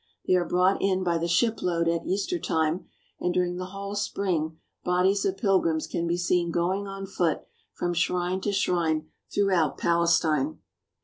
They are brought in by the shipload at Easter time and during the whole spring bodies of pilgrims can be seen going on foot from shrine to shrine throughout Palestine.